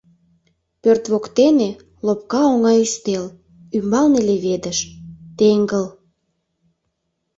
Пӧрт воктене — лопка оҥа ӱстел, ӱмбалне леведыш; теҥгыл.